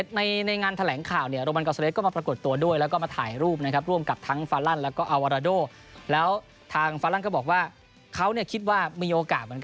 ที่มาล้มโรมันกอร์เซเลสท์ที่เป็นนักชกเบอร์๑ของนี่การะกัว